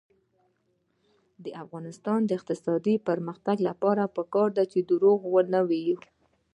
د افغانستان د اقتصادي پرمختګ لپاره پکار ده چې دروغ ونه وایو.